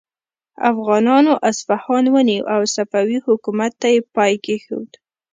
افغانانو اصفهان ونیو او صفوي حکومت ته یې پای کیښود.